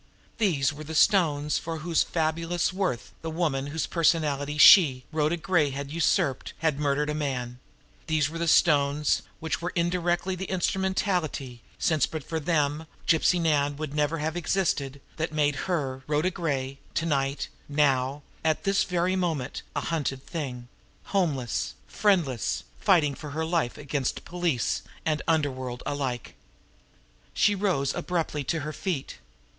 These were the stones for whose fabulous worth the woman whose personality she, Rhoda Gray, had usurped, had murdered a man; these were the stones which were indirectly the instrumentality since but for them Gypsy Nan would never have existed that made her, Rhoda Gray, to night, now, at this very moment, a hunted thing, homeless, friendless, fighting for her very life against police and underworld alike! She rose abruptly to her feet.